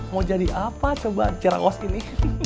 mau jadi apa coba cerak os ini